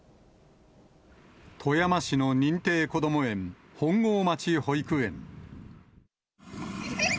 富山市の認定こども園、本郷町保育園。